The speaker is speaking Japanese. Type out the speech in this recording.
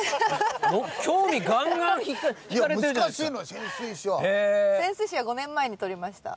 潜水士は５年前に取りました。